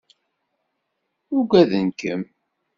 Uggaden-kem.